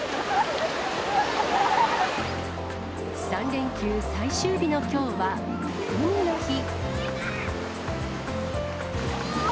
３連休最終日のきょうは、海の日。